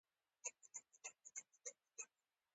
د دې غرونو او دې ډګرونو هستوګن ملت.